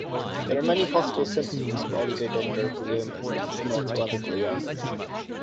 There are many possible symptoms of oligodendrogliomas that are similar to other gliomas.